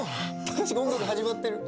隆子、音楽、始まってる。